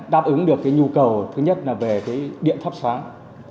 đáp ứng được nhu cầu thứ nhất là về điện thắp sáng